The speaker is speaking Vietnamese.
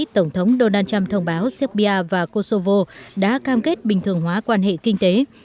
tổng thống donald trump thông báo serbia và kosovo đã cam kết bình thường hóa quan hệ kinh tế